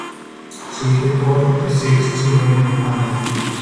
She is the fourth of the six children in her family.